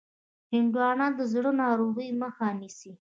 هندوانه د زړه ناروغیو مخه نیسي.